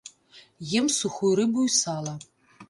Ем сухую рыбу і сала.